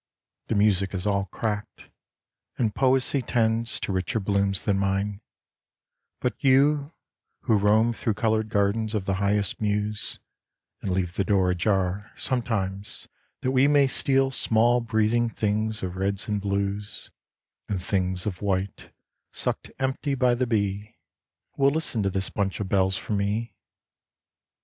The music is all cracked, and Poesy tends To richer blooms than mine; but you who roam Thro' coloured gardens of the highest muse, And leave the door ajar sometimes that we May steal small breathing things of reds and blues And things of white sucked empty by the bee, Will listen to this bunch of bells from me.